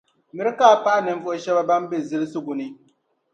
Miri ka a pahi ninvuɣu shεba ban be zilsigu ni.